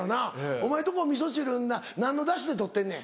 お前のとこ味噌汁何のダシで取ってんねん？